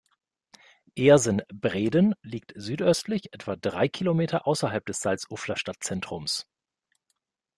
Ehrsen-Breden liegt südöstlich, etwa drei Kilometer außerhalb des Salzufler Stadtzentrums.